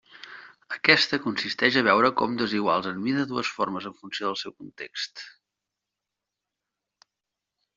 Aquesta consisteix a veure com desiguals en mida dues formes en funció del seu context.